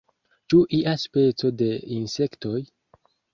Ĉu ia speco de insektoj?